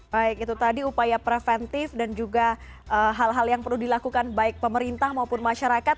baik itu tadi upaya preventif dan juga hal hal yang perlu dilakukan baik pemerintah maupun masyarakat